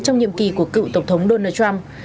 trong nhiệm kỳ của cựu tổng thống donald trump